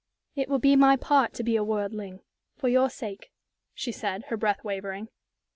"It will be my part to be a worldling for your sake," she said, her breath wavering.